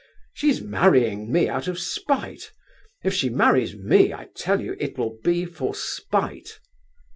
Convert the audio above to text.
She's marrying me out of spite; if she marries me, I tell you, it will be for spite!"